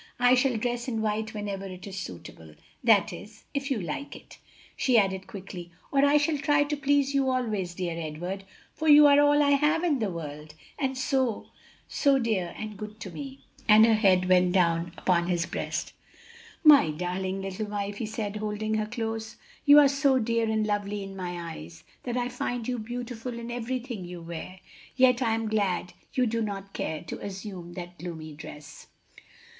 I shall dress in white whenever it is suitable. That is if you like it," she added quickly. "Oh, I shall try to please you always, dear Edward, for you are all I have in the world, and so, so dear and good to me!" and her head went down upon his breast. "My darling little wife!" he said, holding her close, "you are so dear and lovely in my eyes that I find you beautiful in everything you wear. Yet I am glad you do not care to assume that gloomy dress."